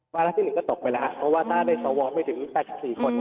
วาระที่๑ก็ตกไปแล้วเพราะว่าถ้าได้สวไม่ถึง๘๔คน